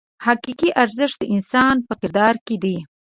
حقیقي ارزښت د انسان په کردار کې دی.